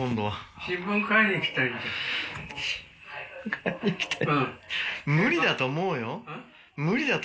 買いに行きたい？